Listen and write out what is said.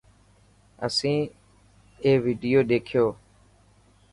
اسان يو وڊيو ڏيکو.